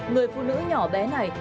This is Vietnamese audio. người phụ nữ nhỏ bé này